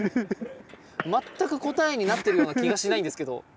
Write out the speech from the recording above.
全く答えになってるような気がしないんですけど。